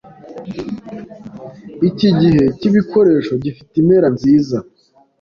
Iki gice cyibikoresho gifite impera nziza.